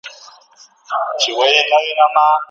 نیلی مي زین دی روانېږمه بیا نه راځمه